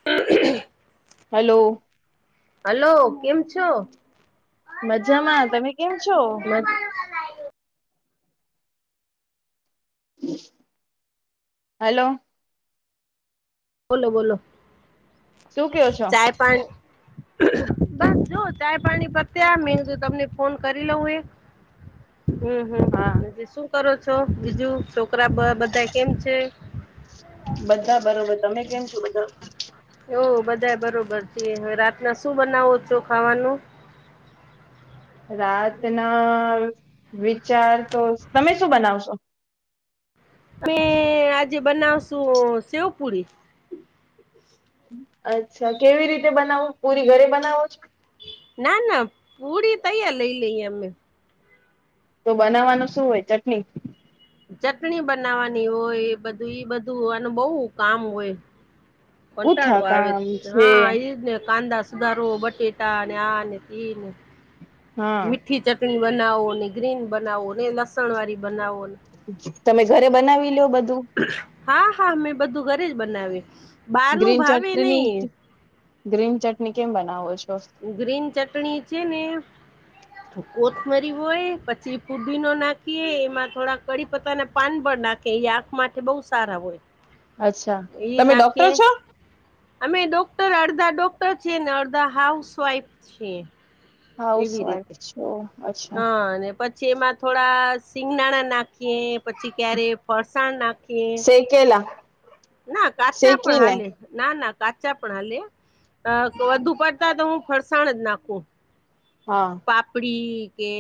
[inaudible] Hello hello કેમ છો? મજામાં. તમે કેમ છો? હેલો બોલો બોલો. શું કયો છો ચાય પાણી બસ જો ચાય પાણી પત્યા. મેં કીધું તમને ફોન કરી લઉં એક. હમ હમ. હા. શું કરો છો બીજું? છોકરા બધા કેમ છે? બધા બરોબર. તમે કેમ છો બધા? હોવ બધા બરોબર છીએ. હવે રાતના શું બનાવો છો ખાવાનું? રાતના વિચાર તો, તમે શું બનાવશો? અમે આજે બનાવશુ સેવપુડી. અચ્છા કેવી રીતે બનાવો? પૂરી ઘરે બનાવો છો? ના ના. પુડી તૈયાર લઈ લઈએ અમે. તો બનાવાનું શું હોય ચટની? ચટણી બનાવાની હોય, એ બધું ઈ બધું આનું બહુ કામ હોય. કંટાળો કુથા આવે. કામ છે હા, એજ ને કાંદા સુધારો, બટેટા ને આને તેને. હા મીઠી ચટણી બનાવો ને, ગ્રીન બનાવો ને, એ લસણવારી બનાવોને. તમે ઘરે બનાવી લો બધું? હા હા મેં બધું ઘરે જ બનાવી. બારનું ગ્રીન ભાવે ચટણી નહી. ગ્રીન ચટણી કેમ બનાવો છો? ગ્રીન ચટણી છે ને કોથમરી હોય, પછી કુદી નો નાખીએ એમાં થોડા કડીપત્તા ના પાન પર નાખીએ કે એ આંખ માટે બહુ સારા હોય અચ્છા એ તમે ડોક્ટર નાખીએ છો અમે ડોક્ટર અડધા ડોક્ટર છે, ને અડધા હાઉસવાઈફ છી હાઉસવાઈફ છો અચ્છા હ, અને પછી એમાં થોડા સિંગનાણા નાખીએ, પછી કયારે ફરસાણ નાખીએ, કેલા ના કાચા પણ હાલે! ના ના કાચા પણ હાલે, અ વધુ પડતા તો હું ફરસાણ જ નાખું. હા. પાપડી કે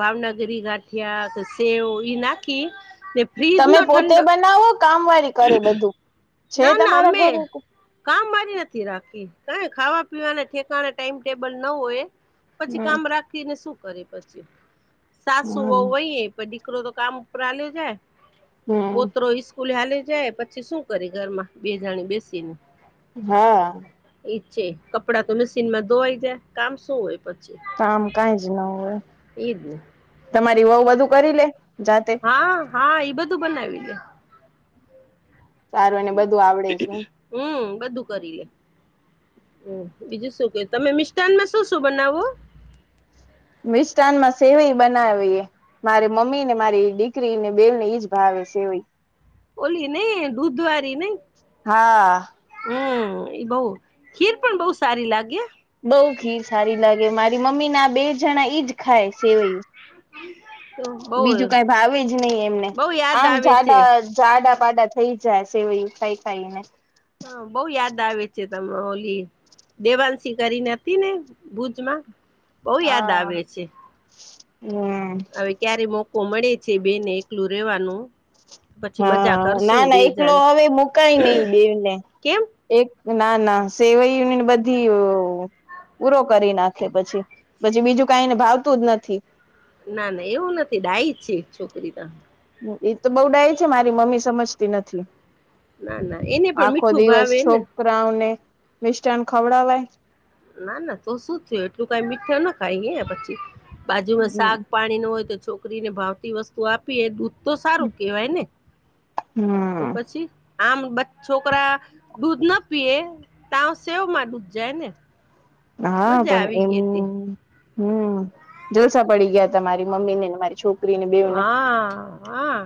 ભાવનગરી ગાંઠિયા કે સેવ એ નાખી એ તમે પોતે બનાવો કે કામવાળી કરે બધું છે ના ના, તમારા અમે. ઘરે કામવાળી નથી રાખી કંઈ, ખાવા-પીવાના ઠેકાણા કે ટાઈમટેબલ ન હોય પછી હમ કામવાળી રાખીને શું કરેએ પછી સાસુવહુ હમ હોઈએ દીકરો તો કામ ઉપર હાલ્યો જાય પૌત્ર હમ સ્કૂલે હાલ્યો જાય પછી શું કરે ઘરમાં બે જણી બેસીને હા. એ તો છે, કપડાં તો મશીનમાં ધોવાઈ જાય. કામ શું હોય પછી? કામ કંઈ જ ન હોય, એજ ને તમારી વહૂ બધુ કરી લેજ જાતે હા હા, એય બધું બનાવી લે. હા, સારું ને, બધું આવડે છે એમ હ બધું કરી લે. બીજું શું, કો તમે મિશટાનમાં શું શું બનાવો? મિષાટનમાં સેવાઈ બનાવીએ. મારી મમ્મીને, મારી દીકરીને બેને ઈજ ભાવે છે. સેવી ઓલી નહીં, દૂધવાળી નહીં. હા હા, એ બહુ ખીર પણ બહુ સારી લાગે. બહુ ઘી સારી લાગે, મારી મમ્મી ને બે જણાને ઈજ ખાય સેવાઈ તો બહુ બીજું કંઈ ભાવે જ નહી એમને, બહુ યાદ આમ આવે છે [unintelligible] જાડા-પાડા થઈ જાય, સેવઈ ખાઈ ખાઈને. હા, બહુ યાદ આવે છે તમે હોલી. દેવાંશી કરીને હતી ને, ભુજમાં? બહુ યાદ હા આવે છે હા, હવે ક્યારે મોકો મળે છે બેને એકલું રહેવાનો? હા ના ના, એકલો જણ હવે મુકાય નહીં બેને. કેમ એક ના ના, સેવાઈ યુનિયન બધી? પૂરો કરી નાખે પછી, પછી બીજું કંઈ ભાવતું જ નથી. ના ના, એવું નથી, ડાયી છે છોકરી તો એ તો બહુ ડાયી છે, મારી મમ્મી સમજતી નથી. ના ના, એને પણ આખો મીઠું દિવસ ભાવે ને. છોકરાઓને મિશટાન ખવડાવાય? ના ના, તો શું થયું એટલું કે મીઠું ના ખાય પછી બાજુમાં શાક-પાણી. હોય તો છોકરીને ભાવતી વસ્તુ આપવી. પીવે દૂધ તો સારું કહેવાય ને, તો હમ પછી? આમ બચ છોકરા દૂધ ન પીએ તા સેવમાં દૂધ જાય ને. હા મજા પણ આવી એમ ગઈ હતી હમ્મ, જલસા પડી ગયા તમારી મમ્મીને ને મારી છોક હા હા,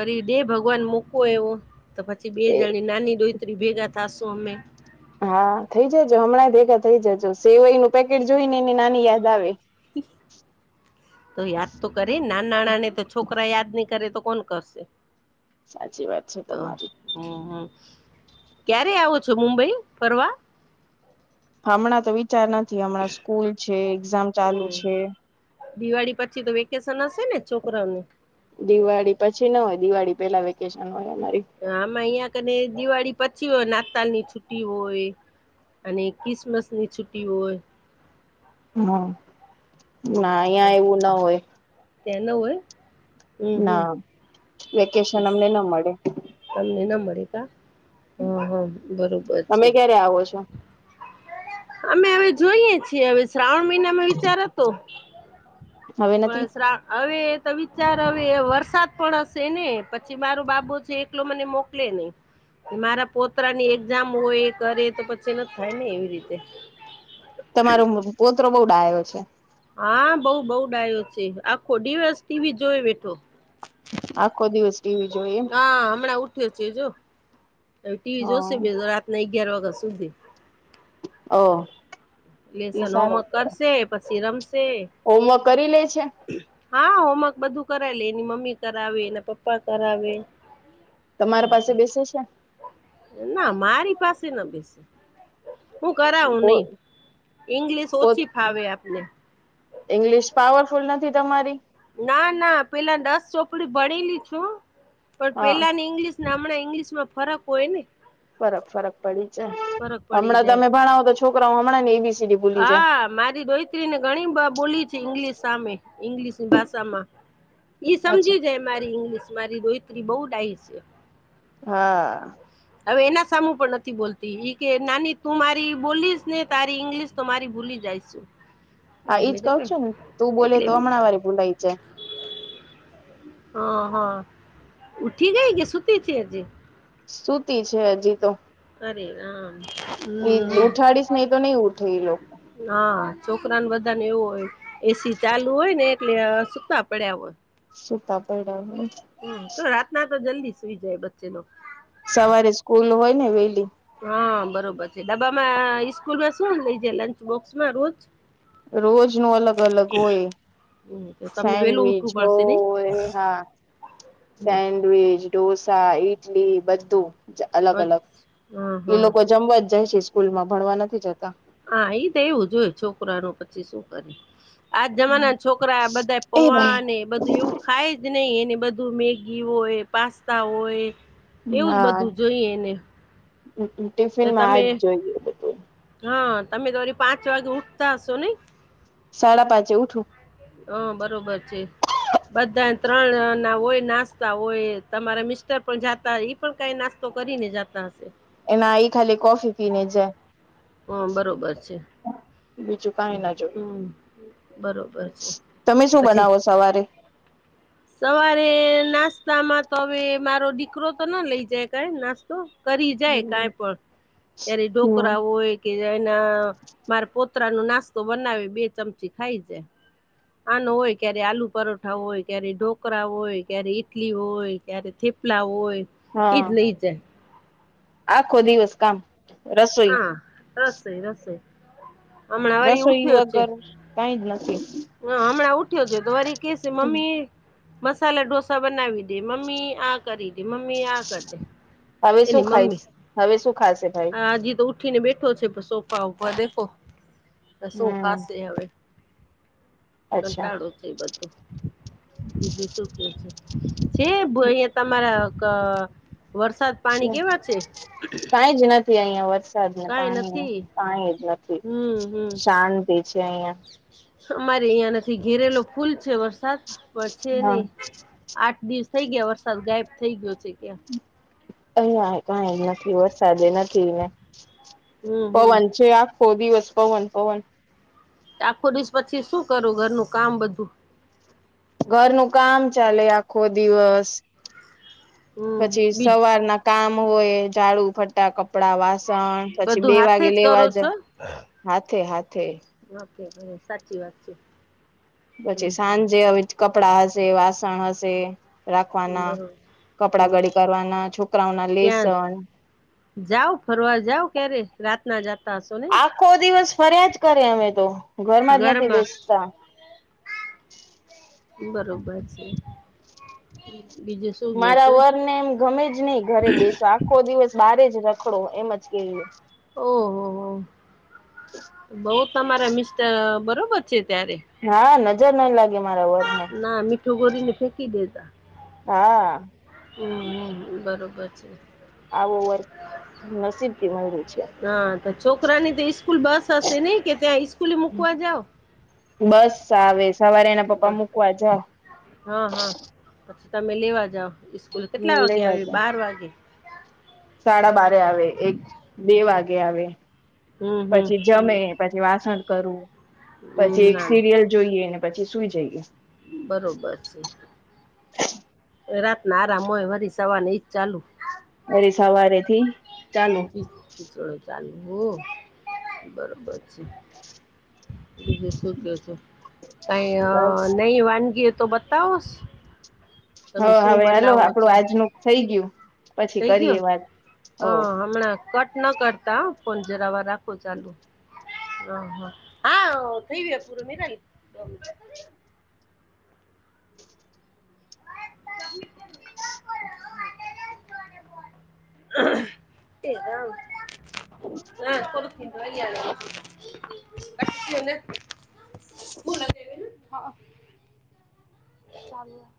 અરે દે ભગવાન, મૂકવું એવો તો પછી બે એ જણી નાની-દોયત્રી ભેગાં થઈશું અમે. હા, થઈ જજો હમણાં એ ભેગા થઈ જજો સેવાઈનું પેકેટ જોઈને એને નાની યાદ આવે. હા હા, એકદમ. હા, યાદ તો કરે ને નાન નાણાને તો છોકરાઓ યાદ નહીં કરે તો કોણ કરશે? સાચી વાત છે તમારી. હમ્મ હમ્મ, ક્યારે આવો છો મુંબઈ ફરવા? હમણાં તો વિચાર નથી હમણાં સ્કૂલ છે, એક્ઝામ ચાલુ હમ છે. દિવાળી પછી તો વેકેશન હશે ને છોકરા નું? દિવાળી પછી ન હોય દિવાળી પહેલા વેકેશન હોય અમારી. આમાં અહિયાં કને દિવાળી પછી હોય. નાતાલની છુટી હોય. અને કીસમસ ની છુટી હોય. હ અ, ના અહિયાં એવું ન હોય. તેને હોય? હમ હમ ના વેકેશન અમને ન મળે. તમને ન મળે તા? હ હ બરોબર છે. તમે ક્યારે આવો છો? અમે હવે જોઈએ છીએ. હવે શ્રાવણ મહિનામાં વિચાર હતો. હવે નથી પણ શ્રાવ હવે એ તો વિચાર હવે વરસાદ પડ શે ને પછી મારું બાબો છે એકલો મને મોકલે નહી. મારા પોત્રાની એક્ઝામ હોય એ કરે તો પછી નથ થાય ને એવી રીતે. તમારો પોત્રો બહુ ડાયો છે. હા બઉુ બઉુ ડાયો છે આખો ડીવસ ટીવી જોવે બેઠો. આખો દિવસ ટીવી જોવે એમ. હા હમણાં ઉઠ્યો છે જો હવે ટીવી જોશે [unintelligible] રાતના અગિયાર વાગ્યા સુધી. ઓ ઈ લેસન, સારો હોમવર્ક કેવાય. કરશે પછી રમશે હોમવર્ક કરી લે છે? હા, હોમવર્ક બધું કરાઈલે. એની મમ્મી કરાવે, એના પપ્પા કરાવે. તમાર પાસે બેસે શે? ના મારી પાસે ન બેસે. હું કરાવું પો નહી. ઈંગ્લિશ પો ઓછી ફાવે આપને. ઇંગ્લિશ પાવરફુલ નથી તમારી? ના ના પેલાની દસ ચોપડી ભણેલી છું પણ હા પેલાની ઇંગલિશ હમણાં ઈંગ્લિશમાં ફરક હોય ને ફરક ફરક પડી જાય. ફરક પડી હમણાં જાય તમે ભણાવો તો છોકરાઓ હમણાં ની એબીસીડી ભૂલી જાય. હા મારી દોહી ત્રી ને ઘણી બ બોલી છે ઈંગ્લિશ સામે ઈંગ્લિશની ભાષામાં. ઈ અચ્છા. સમજી જાય મારી ઇંગ્લિશ મારી દોહિત્રી બઉ ડાહી છે. હા. હવે એના સામું પણ નથી બોલતી ઈ કે નાની તું મારી બોલીશ ને તારી ઈંગ્લિશ તો મારી ભૂલી જાઈશ. [unintelligible] હા ઈજ કઉ છું ને તું બોલે તો હમણાં વારી ભૂલાય જાય હ હ ઉઠી ગઈ કે સુતી છે, હજી? સુતી છે, હજી તો અરે રામ હમ ઉઠાડીશ નહી તો નહીં ઉઠે ઈલો ના છોકરાને બધાંને એવું હોય એસી ચાલુ હોય ને એટલે સૂકા પડ્યા હોય સુતા પડ્યા હમ તો રાતના તો જલ્દી સુઈ જાય બચ્ચે લો સવારે સ્કૂલ હોય ને વેલી હા બરોબર છે, ડબામાં સ્કૂલમાં શું લઈજે લંચ બોક્સમાં રોજ? રોજનું અલગ અલગ હોય હમ તો તમને વેલું સેન્ડવીચ ઉઠવું પડશે નઈ હોય હા હમ સેન્ડવીચ, ઢોંસા, ઈટલી, બધું અ અલગ અલગ હા એઈ હા લોકો જમવા જ જાય છે, સ્કૂલ માં ભણવા નથી જતાં હા ઈ તો એવું જ હોય છોકરાનું પછી શું કરે? આજ હમ. જમાનાના છોકરા બધા એ પોવા ભાઈ અને બધું એવું ખાય જ નય એને બધું મેગી હોય, પાસ્તા હોય એવું જ હા બધું જોઈએ એને ટિફિનમાં આજ જોઈ હા તમે તો વરી પાંચ વાગે ઉઠતા હશો નઈ? સાડા પાંચે ઉઠું હ બરોબર છે. બધા ત્રણના હોય નાસ્તા હોય તમારા મિસ્ટર પણ જાતા પણ કઈ નાસ્તો કરીને જાતા હશે એના એ ખાલી કોફી પીને જાય હ બરોબર છે. બીજું કઈ ના જોય હમ બરોબર છે, તમે શું પછી બનાવો સવારે [inaudible] સવારે નાસ્તામાં તો હવે મારો દીકરો તો ના લઇ જાય [unintelligible] ના તો કરી જાય કાઈ પણ ત્યારે ઢોકરા હોય કે એના મારે પોતરાનો નાસ્તો બનાવે બે ચમચી ખાઈ જાય આનો હોય ક્યારે આલુ પરોઠા હોય ક્યારે ઢોકરા હોય ક્યારે ઇટલી હોય ક્યારે થેપલા હોય એજ હા લઈ જાય આખો દિવસ કામ રસોઈ હા હસે હસે રસોઈ વગર કાઈ જ નથી. હ હમણાં ઉઠ્યો છે, તો વરી કેશે મમ્મી મસાલા ઢોસા બનાવી દે, મમ્મી આ કરી દે મમ્મી, આ કર દે હવે શું એની ખાઈશ મમ્મી હવે શું ખાશે ભાઈ આજી તો ઉ ઉઠીને બેઠો છે, સોફા ઓફા દેખો હમ શોફાશે હવે અચ્છા કંટાળો છે, બધું બીજું સુું કે છે, જે ભણીએ તમારા ક વરસાદ પાણી કેવા છે? થી અહિયાં વરસાદને કઈ પાણી નથી પાણી જ નથી હમ હમ શાંતિ છે, અહિયાં અમારે અહિયાં નથી ઘેરેલો ફૂલ છે, વરસાદ પણ છે, હા નહી આઠ દિવસ થઇ ગયા વરસાદ ગાયબ થઈ ગયો છે, કયા અહીંયા એ કાઈ નથી વરસાદે નથી ને. હમ હમ પવન છે. આખો દિવસ પવન પવન. આખો દિવસ પછી શું કરું ઘરનું કામ બધું? ઘરનું કામ ચાલે આખો દિવસ. હમ પછી બી સવારના કામ હોય. ઝાડું ફટ ફટા, કપડાં, વાસણ પછી બધું બે હાથે વાગે કરો લેવા જ છો હાથે હાથે. ઓકે ભલે સાચી વાત છે. હમ પછી હમ સાંજે હવે કપડાં હશે, વાસણ હશે. રાખવાના, બરોબર કપડા હમ ગડી કરવાના, છોકરાઓના ક્યાં લેસન. જાવ ફરવા જાવ ક્યારે. રાતના જાતા હસો ને? આખો દિવસ ફર્યા જ કરે અમે તો. ઘરમાં જ નથી બેસતા. બરોબર છે. બીજું શું કયો મારા છો વરને એમ ગમે જ નય ઘરે બેસે આ આખો દિવસ બારે જ રખડો એમજ કે એયો. ઓહોહો! બઉ તમારા મિસ્ટર બરોબર છે ત્યારે. હા નજર ના લાગે મારા વરને. ના મીઠું ગોળીને ફેંકી દેતા. હા હમ હમ બરોબર છે. આવો વર નસીબથી મળ્યો છે. હા તો છોકરાની તો ઈસકૂલ બસ હશે નઈ કે ત્યાં સ્કૂલે મૂકવા જાવ? બસ આવે સવારે એના પપ્પા મૂકવા જાય. હા હા. પછી તમે લેવા જાવ ઈસકૂલ કેટલા વાગે લેવા આવે જા બાર વાગે? સાડા બારે આવે એક બે વાગે આવે. હમ હમ પછી જમે, પછી વાસણ કરવું પછી હમ એક ના સિરિયલ જોઈએ ને પછી સુઈ જઈએ. બરોબર છે. રાતના આરામ હોય વરી સવારના એજ ચાલુ. વરી સવારેથી ચાલુ. ઈજ ખીચડો ચાલું. બરોબર છે. બીજું શું કયો છો? બસ કાંઈ નહી વાનગીઓ તો બતાવો હ તમે શું હવે હલો બનાવો આપડું છો આજનું થઈ ગયું. પછી કરીએ વાત. હોવ હહ હમણા કટ ન કરતા હહ ફોન જરા વાર રાખો ચાલુ. હ હ હા થઈ વ્યો પૂરો નિરાલી. [inaudible] [inaudible] એ રામ [inaudible] [unintelligible]